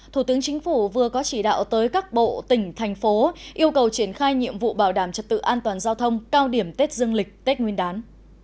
thủ tướng chính phủ vừa có chỉ đạo tới các bộ tỉnh thành phố yêu cầu triển khai nhiệm vụ bảo đảm trật tự an toàn giao thông cao điểm tết dương lịch tết nguyên đán